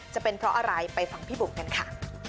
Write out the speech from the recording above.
จะเป็นเพราะอะไรไปฟังพี่บุ๋มกันค่ะ